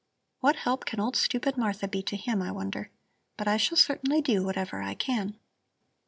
"What help can old, stupid Martha be to him, I wonder. But I shall certainly do whatever I can."